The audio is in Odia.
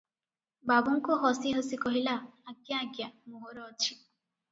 ବାବୁଙ୍କୁ ହସି ହସି କହିଲା, ଆଜ୍ଞା! ଆଜ୍ଞା! ମୋହର ଅଛି ।"